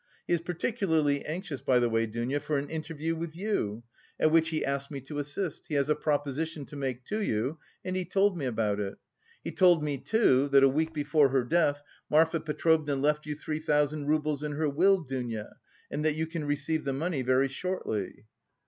He is particularly anxious, by the way, Dounia, for an interview with you, at which he asked me to assist. He has a proposition to make to you, and he told me about it. He told me, too, that a week before her death Marfa Petrovna left you three thousand roubles in her will, Dounia, and that you can receive the money very shortly."